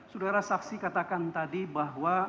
saudara saksi katakan tadi bahwa